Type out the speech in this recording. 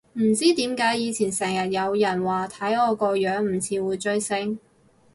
唔知點解以前成日有人話睇我個樣唔似會追星